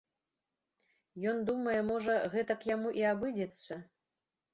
Ён думае можа, гэтак яму і абыдзецца!